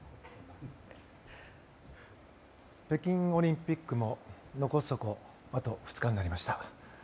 北京オリンピックも残すところあと２日になりました。